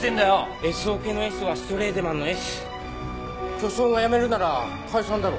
巨匠がやめるなら解散だろ？